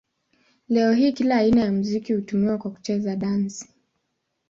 Leo hii kila aina ya muziki hutumiwa kwa kucheza dansi.